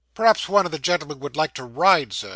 'Perhaps one of the gentlemen would like to ride, sir?